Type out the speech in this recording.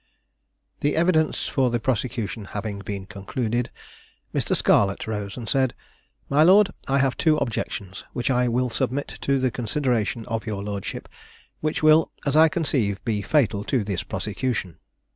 The evidence for the prosecution having been concluded, Mr. Scarlett rose and said, "My Lord, I have two objections, which I will submit to the consideration of your lordship, which will, as I conceive, be fatal to this prosecution.